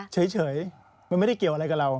เฉยมันไม่ได้เกี่ยวอะไรกับเรา